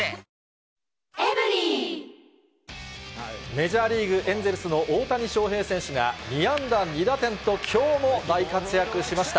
メジャーリーグ・エンゼルスの大谷翔平選手が、２安打２打点と、きょうも大活躍しました。